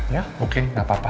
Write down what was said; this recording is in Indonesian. ya oke gak apa apa